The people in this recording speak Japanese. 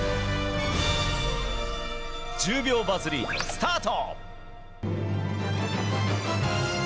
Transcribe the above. １０秒バズリート、スタート！